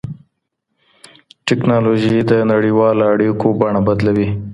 تکنالوژي د نړیوالو اړیکو بڼه بدلوي.